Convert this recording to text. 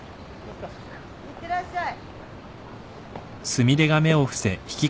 いってらっしゃい。